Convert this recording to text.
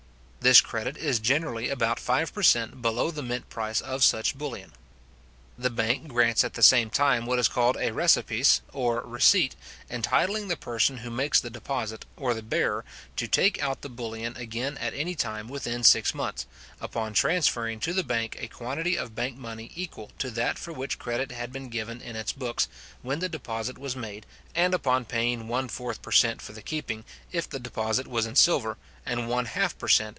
This credit is generally about five per cent. below the mint price of such bullion. The bank grants at the same time what is called a recipice or receipt, entitling the person who makes the deposit, or the bearer, to take out the bullion again at any time within six months, upon transferring to the bank a quantity of bank money equal to that for which credit had been given in its books when the deposit was made, and upon paying one fourth per cent. for the keeping, if the deposit was in silver; and one half per cent.